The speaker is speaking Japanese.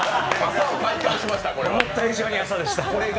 思った以上に朝でした。